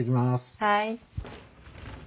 はい。